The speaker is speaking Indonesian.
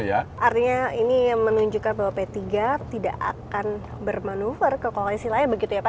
artinya ini menunjukkan bahwa p tiga tidak akan bermanuver ke koalisi lain begitu ya pak